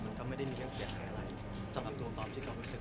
มันก็ไม่ได้มีการเสียหายอะไรสำหรับตัวก๊อฟที่ก๊อฟรู้สึก